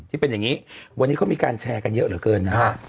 ที่เป็นอย่างนี้วันนี้เขามีการแชร์กันเยอะเหลือเกินนะครับ